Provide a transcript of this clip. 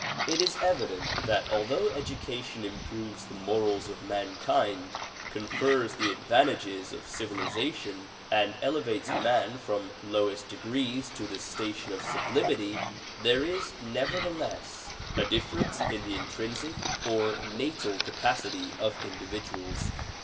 It is evident that although education improves the morals of mankind, confers the advantages of civilization and elevates man from lowest degrees to the station of sublimity, there is neverthe less a difference in the intrinsic or natal capacity of individuals.